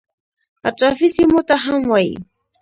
اطرافي سیمو ته هم وایي.